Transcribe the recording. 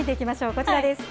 こちらです。